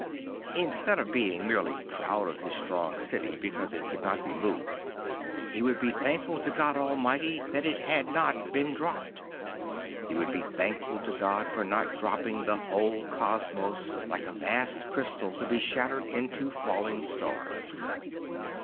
Instead of being merely proud of his strong city because it could not be moved, he would be thankful to God Almighty that it had not been dropped; he would be thankful to God for not dropping the whole cosmos like a vast crystal to be shattered into falling stars.